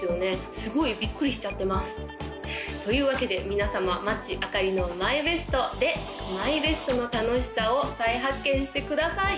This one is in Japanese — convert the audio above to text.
すごいびっくりしちゃってますというわけで皆さま町あかりのＭＹＢＥＳＴでＭＹＢＥＳＴの楽しさを再発見してください